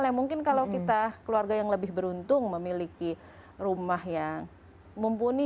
yang mungkin kalau kita keluarga yang lebih beruntung memiliki rumah yang mumpuni